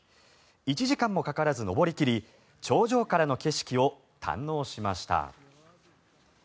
１時間もかからず登り切り頂上からの景色を堪能しました。